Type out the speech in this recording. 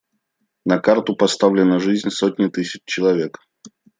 На карту поставлена жизнь сотни тысяч человек.